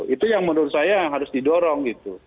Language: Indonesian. itu yang menurut saya harus didorong gitu